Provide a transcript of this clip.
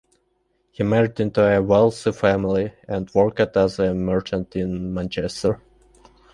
He married into a wealthy family and worked as a merchant in Manchester.